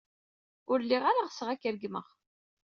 Ur lliɣ ara ɣseɣ ad k-regmeɣ.